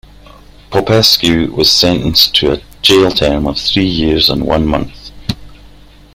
Popescu was sentenced to a jail term of three years and one month.